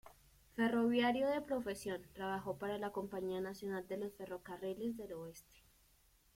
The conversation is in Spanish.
Ferroviario de profesión, trabajó para la Compañía Nacional de los Ferrocarriles del Oeste.